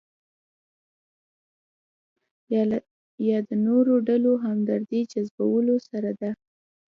یا د نورو ډلو همدردۍ جذبولو سره ده.